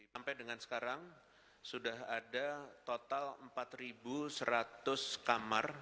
sampai dengan sekarang sudah ada total empat seratus kamar